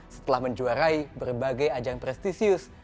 setelah menjuarai berbagai ajang prestisius